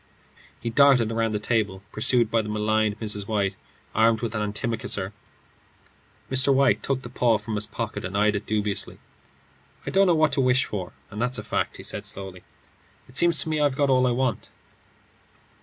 He darted round the table, pursued by the maligned Mrs. White armed with an antimacassar. Mr. White took the paw from his pocket and eyed it dubiously. "I don't know what to wish for, and that's a fact," he said, slowly. "It seems to me I've got all I want."